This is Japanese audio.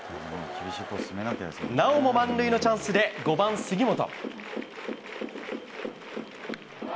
なおも満塁のチャンスで、５番杉本。